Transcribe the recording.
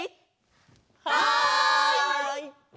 はい！